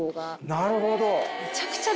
なるほど！